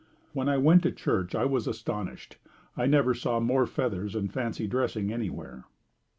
When I went to church I was astonished. I never saw more feathers and fancy dressing anywhere.